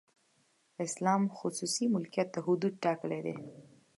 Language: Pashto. اسلام خصوصي ملکیت ته حدود ټاکلي دي.